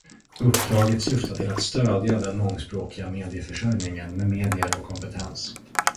Uppdraget syftar till att stödja den mångspråkiga medieförsörjningen med medier och kompetens.